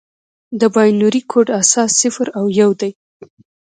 د بایونري کوډ اساس صفر او یو دي.